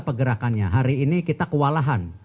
pergerakannya hari ini kita kewalahan